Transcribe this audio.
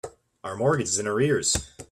Our mortgage is in arrears.